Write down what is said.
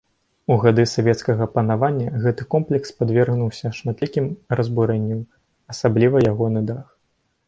У гады савецкага панавання гэты комплекс падвергнуўся шматлікім разбурэнняў, асабліва ягоны дах.